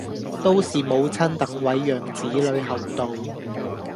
都是母親等位讓子女後到